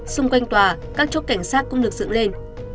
xung quanh tòa các chốt cảnh sát cũng được dựng lên